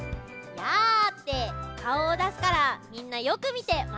「やあ」ってかおをだすからみんなよくみてまねをしてね。